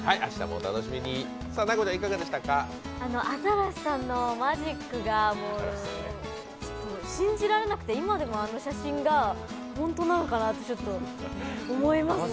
新子さんのマジックが信じられなくて、今でもあの写真が本当なのかなって思いますね。